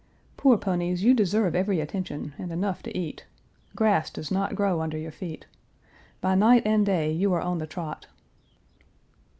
Poor ponies, you deserve every attention, and enough to Page 337 eat. Grass does not grow under your feet. By night and day you are on the trot.